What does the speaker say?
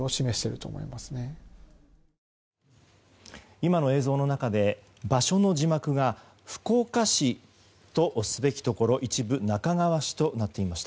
今の映像の中で場所の字幕が福岡市とすべきところ一部那珂川市となっておりました。